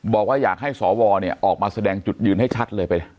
บอกว่าอยากให้สวออกมาแสดงจุดยืนให้ชัดเลยไป